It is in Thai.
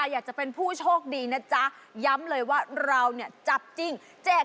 เยอะมากเยอะจริง